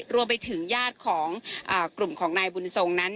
รวมไปถึงญาติของกลุ่มของนายบุญทรงนั้น